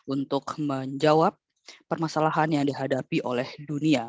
untuk menjawab permasalahan yang dihadapi oleh dunia